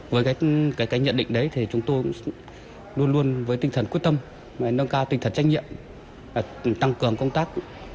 với cái nhận định đấy thì chúng tôi luôn luôn với tinh thần quyết tâm nâng cao tinh thần trách nhiệm tăng cường công tác